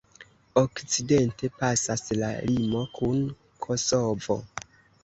Okcidente pasas la limo kun Kosovo.